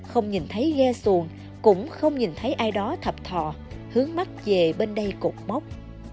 không nhìn thấy ghe xuồng cũng không nhìn thấy ai đó thập thọ hướng mắt về bên đây cục mốc